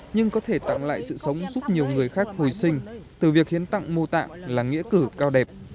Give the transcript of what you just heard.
nhưng có thể tặng lại sự sống giúp nhiều người khác hồi sinh từ việc hiến tặng mô tạng là nghĩa cử cao đẹp